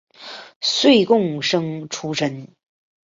岁贡生出身。